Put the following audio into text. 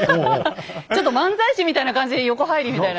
ちょっと漫才師みたいな感じで横入りみたいな。